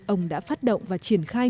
ông đã phát động và triển khai